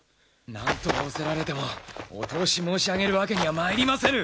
何と申せられてもお通し申し上げるわけにはまいりませぬ。